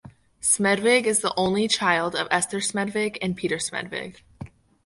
Smedvig is the only child of Esther Smedvig and Peter Smedvig.